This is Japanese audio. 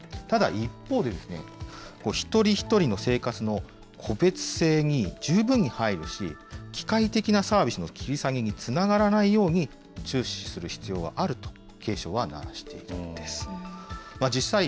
ただ、一方で、一人一人の生活の個別性に十分に配慮し、機械的なサービスの切り下げにつながらないように注視する必要はあると、